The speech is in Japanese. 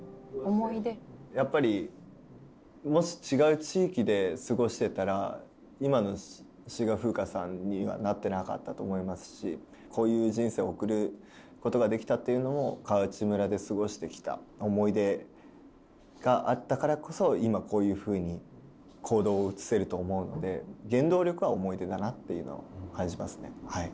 やっぱりもし違う地域で過ごしてたら今の志賀風夏さんにはなってなかったと思いますしこういう人生を送ることができたっていうのも川内村で過ごしてきた思い出があったからこそ今こういうふうに行動をうつせると思うので原動力は思い出だなっていうのを感じますねはい。